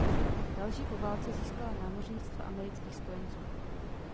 Další po válce získala námořnictva amerických spojenců.